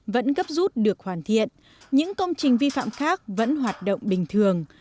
vẫn gấp rút được hoàn thiện những công trình vi phạm khác vẫn hoạt động bình thường